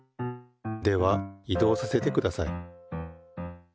では移動させてください。